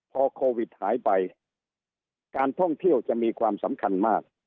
พอโควิดหายไปการท่องเที่ยวจะมีความสำคัญมาก